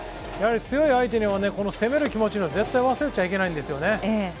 強い相手には攻める気持ちを絶対に忘れちゃいけないんですよね。